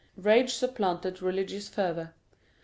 Rage supplanted religious fervor.